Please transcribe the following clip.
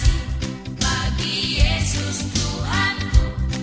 diberikannya yang terbaik bagiku